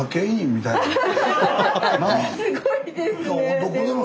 すごいですねでも。